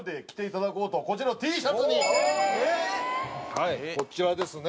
はいこちらですね。